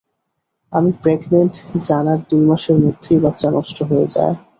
আমি প্রেগন্যান্ট জানার দুই মাসের মধ্যেই বাচ্চা নষ্ট হয়ে যায়।